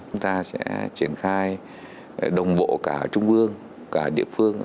chúng ta sẽ triển khai đồng bộ cả trung ương cả địa phương